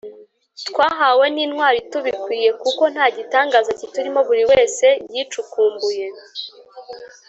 twahawe ntitwari tubukwiye kuko nta gitangaza kiturimo(buri wese yicukumbuye